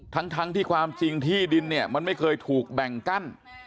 ทั้งที่ความจริงที่ดินเนี่ยมันไม่เคยถูกแบ่งกั้น